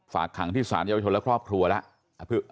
ฝากขังที่สารเยาวชนและครอบครัวแล้ว